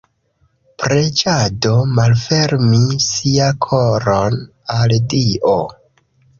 Preĝado: malfermi sia koron al Dio.